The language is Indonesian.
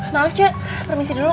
maaf cuk permisi dulu